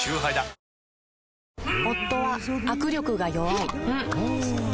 夫は握力が弱い